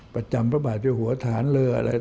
ประจำพระบาทเจ้าหัวฐานเล่า